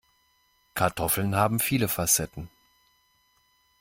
Kartoffeln haben viele Facetten.